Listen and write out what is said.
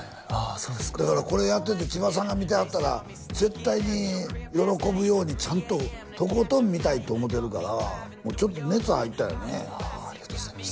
そうですかだからこれやってて千葉さんが見てはったら絶対に喜ぶようにちゃんととことん見たいと思うてるからちょっと熱入ったよねああありがとうございます